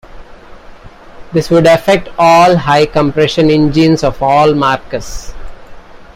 This would affect all high compression engines of all marques.